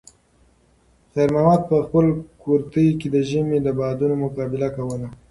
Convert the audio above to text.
خیر محمد په خپل کورتۍ کې د ژمي د بادونو مقابله کوله.